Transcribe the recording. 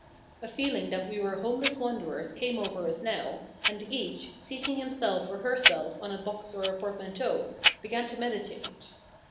A feeling that we were homeless wanderers came over us now, and each, seating himself or herself on a box or a portmanteau, began to meditate.